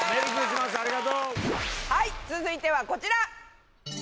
続いてはこちら。